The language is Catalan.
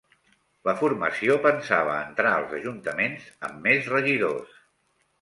La formació pensava entrar als ajuntaments amb més regidors